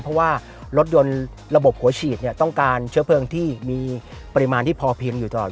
เพราะว่ารถยนต์ระบบหัวฉีดเนี่ยต้องการเชื้อเพลิงที่มีปริมาณที่พอเพียงอยู่ตลอด